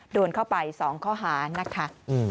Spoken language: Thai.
โดนเข้าไป๒ข้อหานะคะ